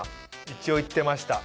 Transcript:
一応行ってました。